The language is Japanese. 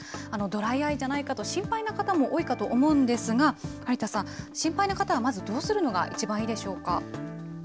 ドライアイじゃないかと心配な方も多いかと思うんですが、有田さん、心配な方はまずどうするのが一番いいでしょうか。